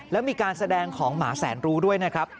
แล้วมีการแสดงของหมาแสนรู้ด้วยนะครับ